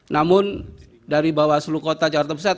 namun dari bawaslu kota jakarta pusat